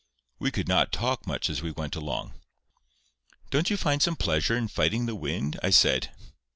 We could not talk much as we went along. "Don't you find some pleasure in fighting the wind?" I said.